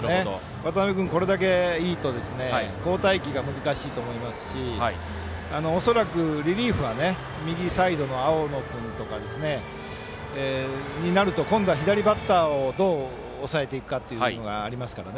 渡邉君、これだけいいと交代機が難しいと思いますしリリーフで右のサイドの青野君とかになると今度は左バッターをどう抑えていくかというのがありますから。